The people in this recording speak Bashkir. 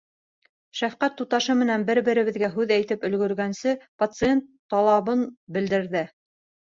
Шәфҡәт туташы менән бер-беребеҙгә һүҙ әйтеп өлгөргәнсе, пациент талабын белдерҙе: